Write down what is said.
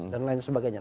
dan lain sebagainya